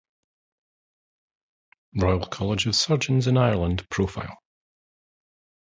Royal College of Surgeons in Ireland Profile